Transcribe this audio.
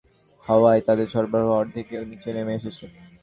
কিন্তু রাজনৈতিক অস্থিরতা শুরু হওয়ায় তাদের সরবরাহ অর্ধেকেরও নিচে নেমে এসেছে।